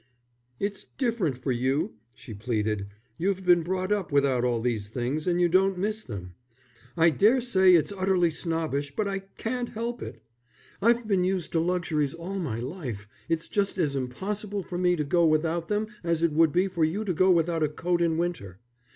"It's different for you," she pleaded. "You've been brought up without all these things, and you don't miss them. I daresay it's utterly snobbish, but I can't help it. I've been used to luxuries all my life; it's just as impossible for me to go without them as it would be for you to go without a coat in winter.